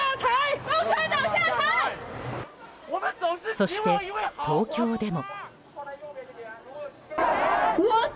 そして、東京でも。